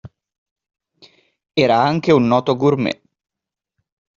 Era anche un noto gourmet.